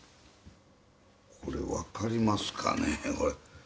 これ分かりますかね？